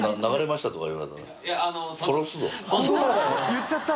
言っちゃった！